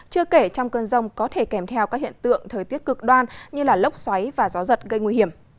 chưa kể trong cơn rông có thể kèm theo các hiện tượng thời tiết cực đoan như lốc xoáy và gió giật gây nguy hiểm